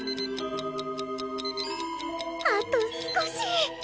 あと少し！